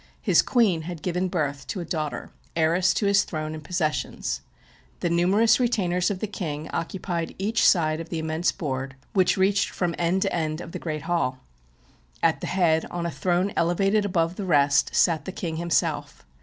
His queen had given birth to a daughter, heiress to his throne and possessions. The numerous retainers of the king occupied each side of the immense board, which reached from end to end of the great hall. At the head, on a throne elevated above the rest, sat the king himself.